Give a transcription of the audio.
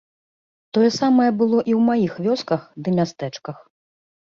Тое самае было і ў маіх вёсках ды мястэчках.